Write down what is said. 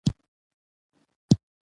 له خولې څخه به یې د ګوګړو وړه قطۍ راوغورځوله.